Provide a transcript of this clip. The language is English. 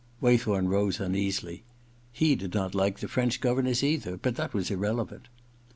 Waythorn rose uneasily. He did not like the French governess either ; but that was irrelevant.